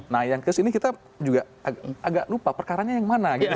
nah yang ke sini kita juga agak lupa perkaranya yang mana gitu